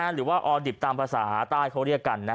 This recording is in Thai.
หรือว่าออดิบตามภาษาใต้เขาเรียกกัน